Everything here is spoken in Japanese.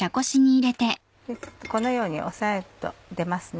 このように押さえると出ますね。